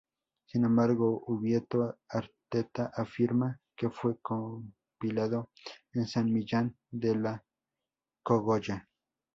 Sin embargo, Ubieto Arteta afirma que fue compilado en San Millán de la Cogolla.